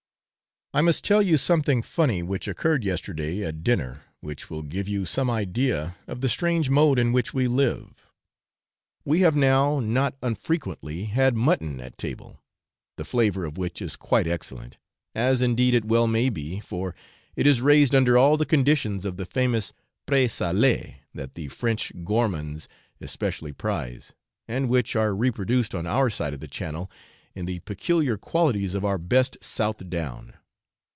I must tell you something funny which occurred yesterday at dinner, which will give you some idea of the strange mode in which we live. We have now not unfrequently had mutton at table, the flavour of which is quite excellent, as indeed it well may be, for it is raised under all the conditions of the famous Pré salé that the French gourmands especially prize, and which are reproduced on our side of the channel in the peculiar qualities of our best South Down.